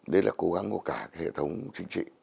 đấy là cố gắng của cả hệ thống chính trị